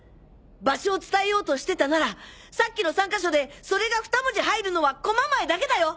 場所を伝えようとしてたならさっきの３か所でそれがふた文字入るのは狛前だけだよ！